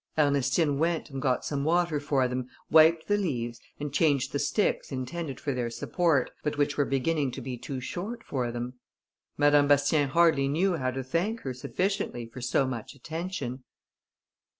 Ernestine went and got some water for them, wiped the leaves, and changed the sticks intended for their support, but which were beginning to be too short for them. Madame Bastien hardly knew how to thank her sufficiently for so much attention.